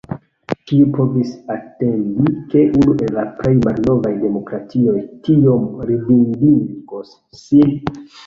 Kiu povis atendi, ke unu el la plej malnovaj demokratioj tiom ridindigos sin?